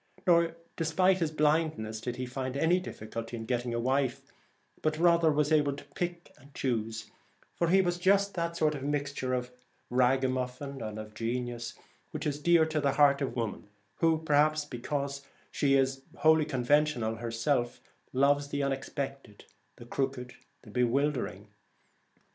Nor despite his blindness did he find any difficulty in getting a wife, but rather was able to pick and choose, for he was just that mixture of ragamuffin and of genius which is dear to the heart of woman, who, perhaps be cause she is wholly conventional herself, loves the unexpected, the crooked, the bewildering.